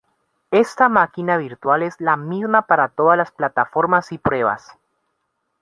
Ésta máquina virtual es la misma para todas las plataformas y pruebas.